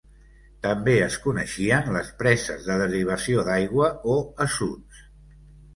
També es coneixien les preses de derivació d'aigua o assuts.